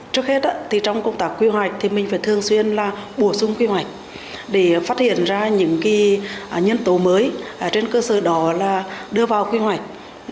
trước hết thì trong công tác quy hoạch thì mình phải thường xuyên là bổ sung quy hoạch để phát hiện ra những nhân tố mới trên cơ sở đó là đưa vào quy hoạch